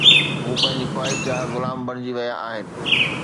هو پنهنجي خواهشن جا غلام بڻجي ويا آهن.